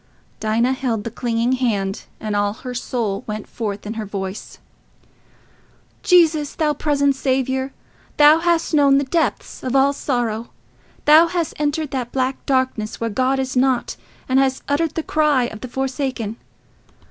Dinah held the clinging hand, and all her soul went forth in her voice: "Jesus, thou present Saviour! Thou hast known the depths of all sorrow: thou hast entered that black darkness where God is not, and hast uttered the cry of the forsaken.